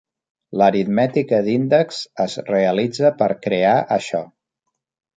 L'aritmètica d'índexs es realitza per crear això.